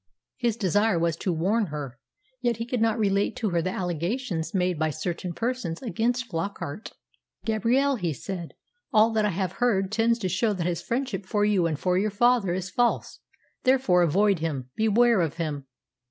His desire was to warn her, yet he could not relate to her the allegations made by certain persons against Flockart. "Gabrielle," he said, "all that I have heard tends to show that his friendship for you and for your father is false; therefore avoid him beware of him."